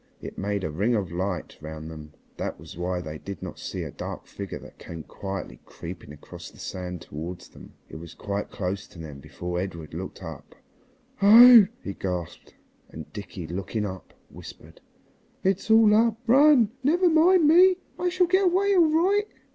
It made a ring of light round them. That was why they did not see a dark figure that came quietly creeping across the sand towards them. It was quite close to them before Edred looked up. [Illustration: "'ELFRIDA!' SAID BOTH BOYS AT ONCE" Page 272] "Oh!" he gasped, and Dickie, looking up, whispered, "It's all up run. Never mind me. I shall get away all right."